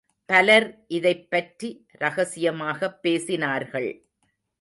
பலர் இதைப் பற்றி ரகசியமாகப் பேசினார்கள்.